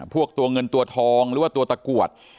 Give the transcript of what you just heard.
พวกตัวเงินตัวทองหรือว่าตัวตะกรวด